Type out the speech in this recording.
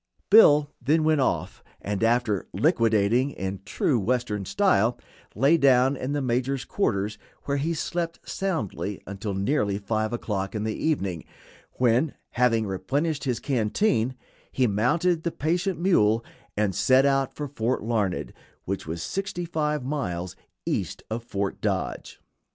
Bill then went off, and, after "liquidating" in true Western style, lay down in the major's quarters, where he slept soundly until nearly 5 o'clock in the evening, when, having replenished his canteen, he mounted the patient mule and set out for Fort Larned, which was sixty five miles east of Fort Dodge.